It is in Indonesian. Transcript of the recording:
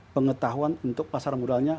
pengetahuan untuk pasar modalnya